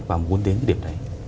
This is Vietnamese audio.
và muốn đến cái điểm đấy